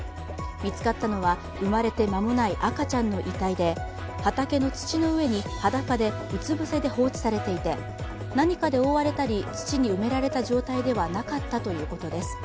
見つかったのは生まれて間もない赤ちゃんの遺体で畑の土の上に裸でうつぶせで放置されていて何かで覆われたり土に埋められた状態ではなかったということです。